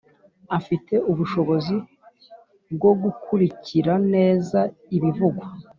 afite ubushobozi bwo gukurikira neza ibivugwa